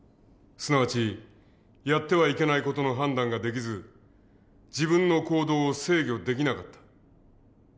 すなわちやってはいけない事の判断ができず自分の行動を制御できなかった。